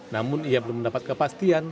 namun ia belum mendapat kepastian